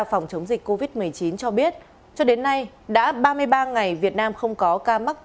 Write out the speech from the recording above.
phòng chống dịch covid một mươi chín cho biết cho đến nay đã ba mươi ba ngày việt nam không có ca mắc